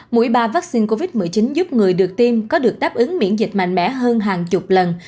mũi ba vaccine covid một mươi chín giúp người được tiêm có được đáp ứng miễn dịch mạnh mẽ hơn hàng chục lần